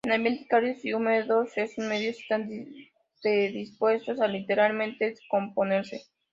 En ambientes cálidos y húmedos estos medios están predispuestos a literalmente descomponerse.